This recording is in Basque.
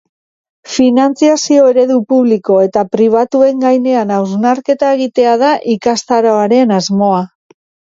Finantziazio eredu publiko eta pribatuen gainean hausnarketa egitea da ikastaroaren asmoa.